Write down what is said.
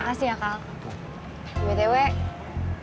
harus presentasi dia ke ageng mereka